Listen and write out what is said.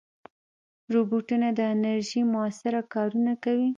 روبوټونه د انرژۍ مؤثره کارونه کوي.